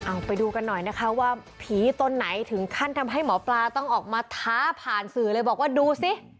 เอาไปดูกันหน่อยนะคะว่าผีต้นไหนถึงขั้นทำให้หมอปลาต้องออกมาท้าผ่านสื่อเลยบอกว่าดูสิ